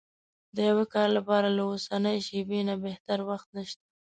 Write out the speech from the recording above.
د يوه کار لپاره له اوسنۍ شېبې نه بهتر وخت نشته.